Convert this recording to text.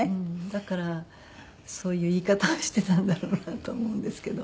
だからそういう言い方をしてたんだろうなと思うんですけど。